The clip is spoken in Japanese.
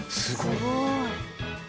すごい！